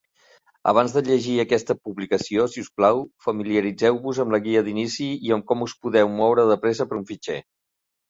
Abans de llegir aquesta publicació, si us plau, familiaritzeu-vos amb la guia d'inici i amb com us podeu moure de pressa per un fitxer.